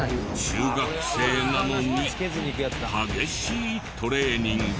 中学生なのに激しいトレーニング。